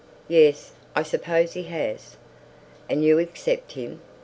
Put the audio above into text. yes, I suppose he has." "And you accept him?